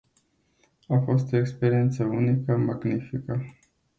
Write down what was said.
A fost o experiență unică, magnifică.